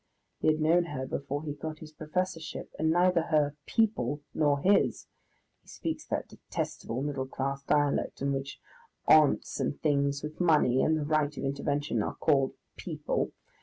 He had known her before he got his professorship, and neither her "people" nor his he speaks that detestable middle class dialect in which aunts and things with money and the right of intervention are called "people"!